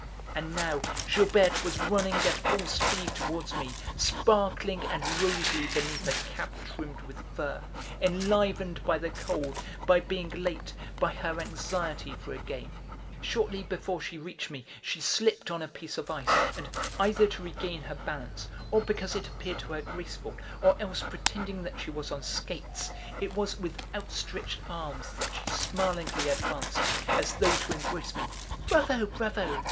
And now Gilberte was running at full speed towards me, sparkling and rosy beneath a cap trimmed with fur, enlivened by the cold, by being late, by her anxiety for a game; shortly before she reached me, she slipped on a piece of ice and, either to regain her balance, or because it appeared to her graceful, or else pretending that she was on skates, it was with outstretched arms that she smilingly advanced, as though to embrace me. "Bravo! bravo!